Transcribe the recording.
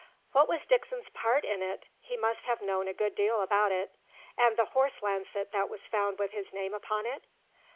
"What was Dixon's part in it? He must have known a good deal about it. And the horse lancet that was found with his name upon it?"